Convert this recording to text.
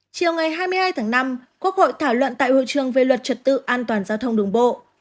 chiều ngày hai mươi hai tháng năm quốc hội thảo luận tại hội trường về luật trật tự an toàn giao thông đường bộ